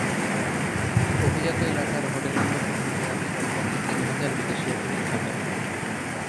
অভিজাত এলাকার হোটেলগুলোতে প্রতি রাতে কমপক্ষে তিন হাজার বিদেশি অতিথি থাকেন।